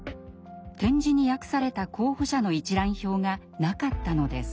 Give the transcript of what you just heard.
点字に訳された候補者の一覧表がなかったのです。